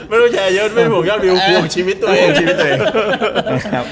ไม่ต้องแชร์เยอะเพื่อบวกรับริวพุงชีวิตตัวเอง